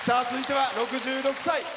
続いては６６歳。